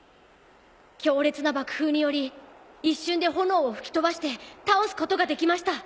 強烈な爆風により一瞬で炎を吹き飛ばして倒すことができました。